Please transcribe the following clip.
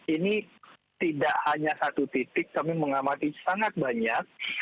ini tidak hanya satu titik kami mengamati sangat banyak